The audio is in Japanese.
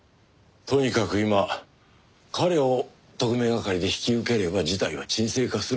とにかく今彼を特命係で引き受ければ事態は沈静化する。